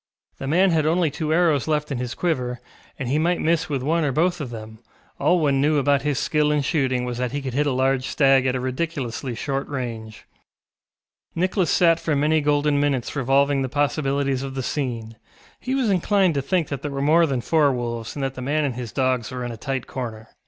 The man had only two arrows left in his quiver, and he might miss with one or both of them; all one knew about his skill in shooting was that he could hit a large stag at a ridiculously short range. Nicholas sat for many golden minutes revolving the possibilities of the scene; he was inclined to think that there were more than four wolves and that the man and his dogs were in a tight corner.